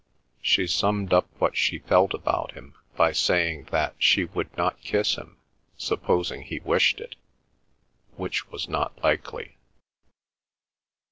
She summed up what she felt about him by saying that she would not kiss him supposing he wished it, which was not likely.